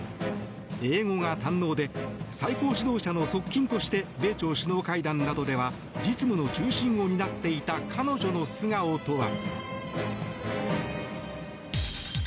英語が堪能で最高指導者の側近として米朝首脳会談などでは実務の中心を担っていた彼女の素顔とは。